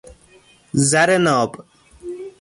زر ناب